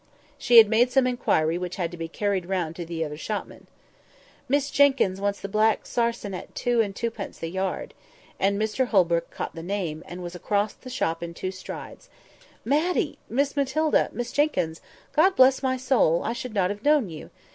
She had made some inquiry which had to be carried round to the other shopman. "Miss Jenkyns wants the black sarsenet two and twopence the yard"; and Mr Holbrook had caught the name, and was across the shop in two strides. "Matty—Miss Matilda—Miss Jenkyns! God bless my soul! I should not have known you.